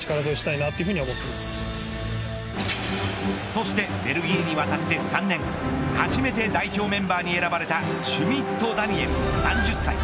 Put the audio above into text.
そしてベルギーに渡って３年初めて代表メンバーに選ばれたシュミット・ダニエル３０歳。